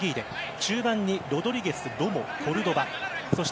中盤にロドリゲスロモ、コルドバ。